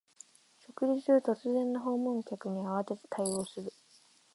食事中、突然の訪問客に慌てて対応する